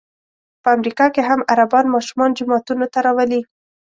په امریکا کې هم عربان ماشومان جوماتونو ته راولي.